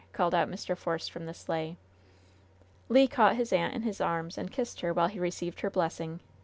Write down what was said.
called out Mr. Force from the sleigh. Le caught his aunt in his arms and kissed her while he received her blessing.